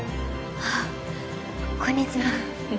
あっこんにちは